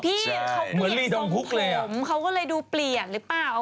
พี่เขาเปลี่ยนส่องผมเขาก็เลยดูเปลี่ยนหรือเปล่า